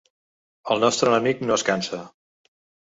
El nostre enemic no es cansa.